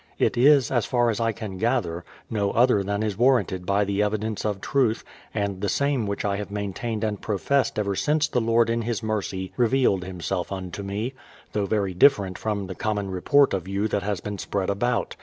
It is, as far as I can gather, no other than is warranted by the evidence of truth, and the same which I have maintained and professed ever since the 214 BRADFORD'S HISTORY OF Lord in His mercy revealed Himself unto me, — though very differ ent from the common report of you that has been spread about.